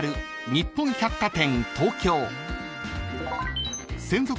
日本百貨店。